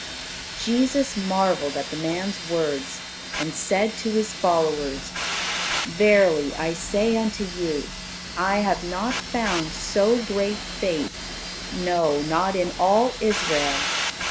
Jesus marvelled at the man's words, and said to His followers, "Verily, I say unto you, I have not found so great faith, no, not in all Israel."